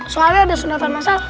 soalnya ada sunatan masal